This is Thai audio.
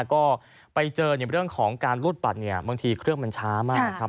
ก็ไปเจอในเรื่องของการรูดปัดเนี่ยบางทีเครื่องมันช้ามากนะครับ